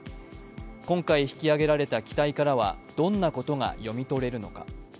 今回引き揚げられた機体からはどんなことが読み取れるのか。